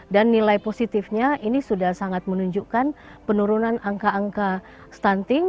dan nilai positifnya ini sudah sangat menunjukkan penurunan angka angka stunting